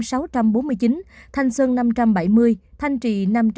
bắc từ liêm sáu trăm bốn mươi chín thanh sơn năm trăm bảy mươi thanh trì năm trăm sáu mươi năm